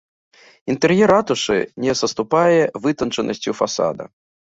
Інтэр'ер ратушы не саступае вытанчанасцю фасада.